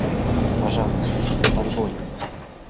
Пожалуйста, позволь!